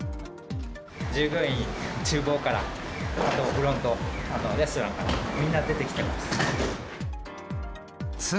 従業員、ちゅう房からフロント、あとレストランから、みんな出てきてます。